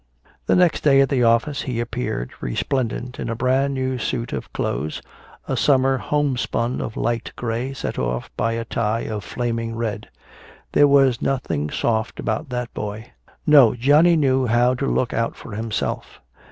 The next day at the office he appeared resplendent in a brand new suit of clothes, a summer homespun of light gray set off by a tie of flaming red. There was nothing soft about that boy. No, Johnny knew how to look out for himself.